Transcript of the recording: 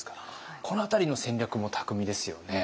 この辺りの戦略も巧みですよね。